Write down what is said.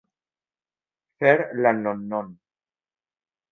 Fer la non-non.